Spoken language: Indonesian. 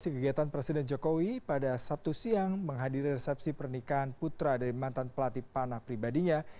kegiatan presiden jokowi pada sabtu siang menghadiri resepsi pernikahan putra dari mantan pelatih panah pribadinya